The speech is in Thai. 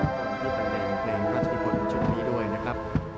สวัสดีครับ